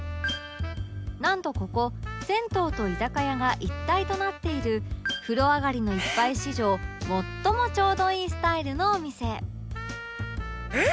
なんとここ銭湯と居酒屋が一体となっている風呂上がりの一杯史上最もちょうどいいスタイルのお店えっ！